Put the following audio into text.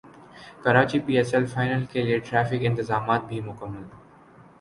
Karachi P S L final کیلئے traffic انتظامات بھی مکمل